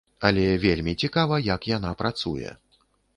Але вельмі цікава, як яна працуе.